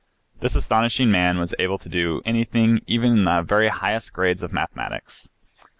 This astonishing man was able to do anything even in the very highest grades of mathematics.